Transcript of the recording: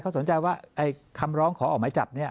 เขาสนใจว่าไอ้คำร้องขออุมารหมายจับนี่